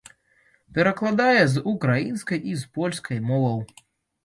Перакладае з украінскай і з польскай моваў.